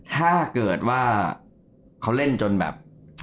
ถ้าเกิดว่าเขาเล่นจนแบบ